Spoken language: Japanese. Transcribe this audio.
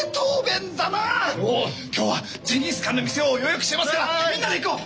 今日はジンギスカンの店を予約してますからみんなで行こう！